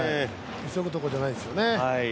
急ぐところじゃないですよね。